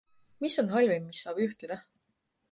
Mis on halvim, mis saab juhtuda?